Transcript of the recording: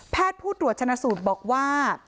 ผู้ตรวจชนะสูตรบอกว่า